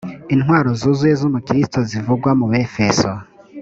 intwaro zuzuye z’umukristo zivugwa mu befeso